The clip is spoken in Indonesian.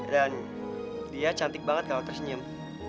dan dia cantik banget kalau tersenyum